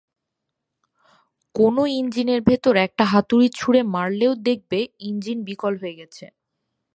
কোনও ইঞ্জিনের ভেতরে একটা হাতুড়ি ছুড়ে মারলেও দেখবে ইঞ্জিল বিকল হয়ে গেছে।